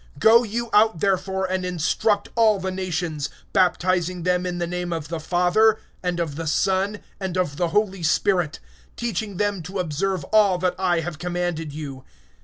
(19)Go therefore, and disciple all the nations, immersing them in the name of the Father, and of the Son, and of the Holy Spirit; (20)teaching them to observe all things, whatever I commanded you.